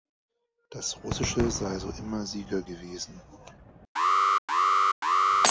Das Russische sei so immer Sieger gewesen.